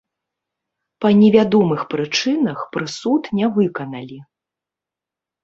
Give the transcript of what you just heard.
Па невядомых прычынах прысуд не выканалі.